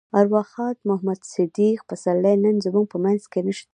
ارواښاد محمد صديق پسرلی نن زموږ په منځ کې نشته.